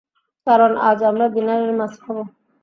কারণ, আজ আমরা ডিনারে মাছ খাব!